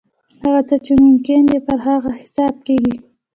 هغه څه چې ممکن دي پر هغه حساب کېږي.